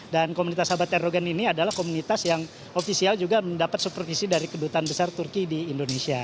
dan komunitas sahabat erdogan ini adalah komunitas yang ofisial juga mendapat supervisi dari kedutaan besar turki di indonesia